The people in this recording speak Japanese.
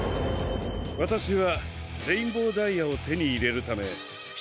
わたしはレインボーダイヤをてにいれるためし